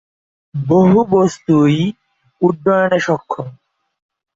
বহু বস্তুই উড্ডয়নে সক্ষম।